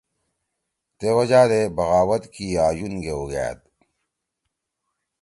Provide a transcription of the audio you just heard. تے وجہ دے بغاوت کی آں یُون گے اُوگھأد۔